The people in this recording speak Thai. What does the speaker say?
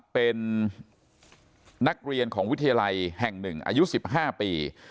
เป็นนักเรียนของวิทยาลัยแห่ง๑อายุ๑๕ปี